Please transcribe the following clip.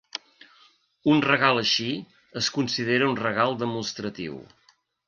Un regal així es considera un regal demostratiu.